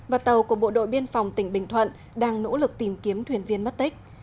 và tàu của bộ đội biên phòng tỉnh bình thuận đang nỗ lực tìm kiếm thuyền viên mất tích